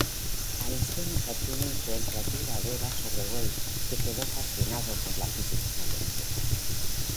Einstein ejerció una influencia duradera sobre Weyl, que quedó fascinado por la física matemática.